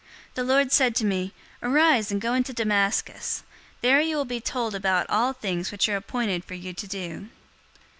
The Lord said to me, 'Arise, and go into Damascus. There you will be told about all things which are appointed for you to do.'